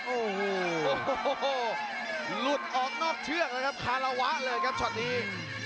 ออกนอกเทือกแล้วครับคาราวะเลยครับช็อตนี้